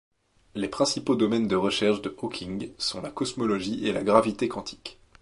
Les principaux domaines de recherches de Hawking sont la cosmologie et la gravité quantique.